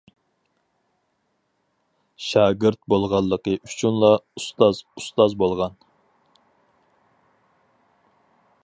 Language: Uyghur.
شاگىرت بولغانلىقى ئۈچۈنلا، ئۇستاز «ئۇستاز» بولغان.